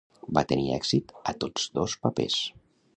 Va tenir èxit a tots dos papers.